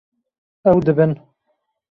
Ew dibin.